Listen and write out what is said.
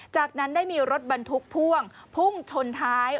จากนั้นได้มีรถบรรทุกพ่วงพุ่งชนท้าย